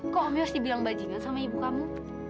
kok om yos dibilang bajingan sama ibu kamu